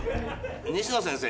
西野先生。